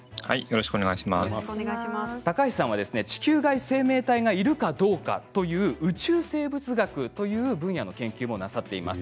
高橋さんは地球外生命体がいるかどうかという宇宙生物学という分野で研究もなさっています。